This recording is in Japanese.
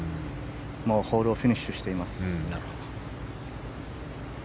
もうホールをフィニッシュしています。